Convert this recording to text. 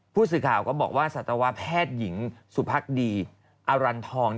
ผู้สื่อข่าวก็บอกว่าสัตวแพทย์หญิงสุพักดีอรันทอง